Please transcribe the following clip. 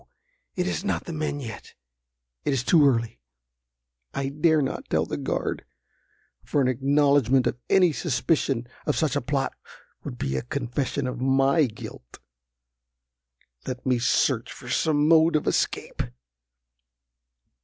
it is not the men yet. It is too early. I dare not tell the guard, for an acknowledgment of any suspicion of such a plot would be a confession of my guilt. Let me search for some mode of escape!"